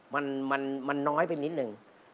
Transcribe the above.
มันน้อยไปนิดนึง